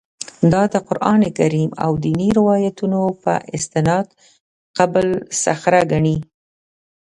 دا د قران کریم او دیني روایتونو په استناد قبه الصخره ګڼي.